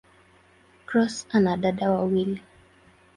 Cross ana dada wawili.